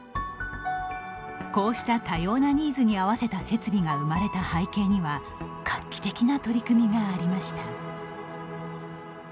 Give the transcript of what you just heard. こうした多様なニーズに合わせた設備が生まれた背景には画期的な取り組みがありました。